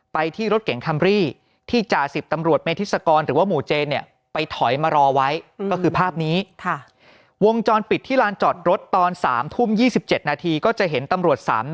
ไปที่รถเก่งคัมรี่ที่จ่าสิบตำรวจเมธิศกร